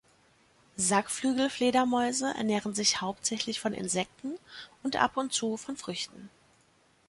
Sackflügelfledermäuse ernähren sich hauptsächlich von Insekten und ab und zu von Früchten.